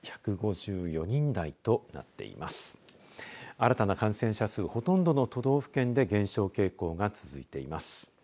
新たな感染者数ほとんどの都道府県で減少傾向が続いています。